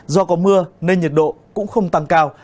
do có mưa nên nhiệt độ cũng không tăng cao